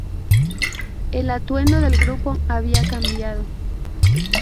El atuendo del grupo había cambiado.